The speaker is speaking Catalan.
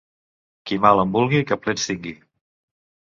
Qui mal em vulgui que plets tingui.